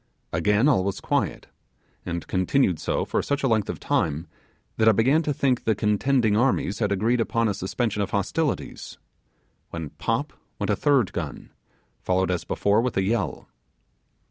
Again all was quiet, and continued so for such a length of time that I began to think the contending armies had agreed upon a suspension of hostilities; when pop went a third gun, followed as before with a yell.